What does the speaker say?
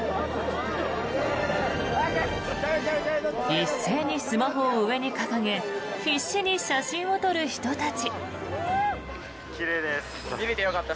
一斉にスマホを上に掲げ必死に写真を撮る人たち。